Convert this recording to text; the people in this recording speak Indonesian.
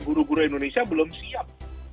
guru guru indonesia belum siap